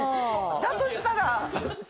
だとしたら。